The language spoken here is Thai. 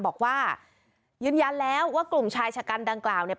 บอกว่ายืนยันแล้วว่ากลุ่มชายชะกันดังกล่าวเนี่ย